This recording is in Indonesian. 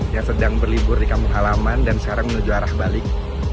yang sedang berlibur di kampung halaman dan sekarang menuju arah balik